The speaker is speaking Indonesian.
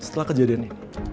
setelah kejadian ini